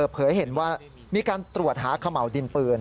เผยเห็นว่ามีการตรวจหาเขม่าวดินปืน